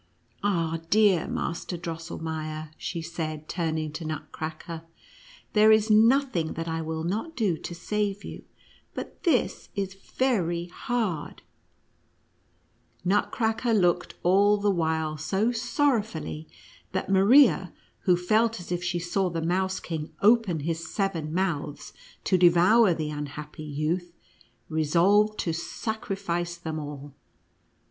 "Ah, clear Master Drosselmeier," she said, turning to Nutcracker, "there is nothing that I will not do to save you, but this is very hard !" Nutcracker looked all the while so sorrowfully, that Maria, who felt as if she saw the Mouse King open his seven mouths, to devour the unhappy youth, resolved to sacrifice them all.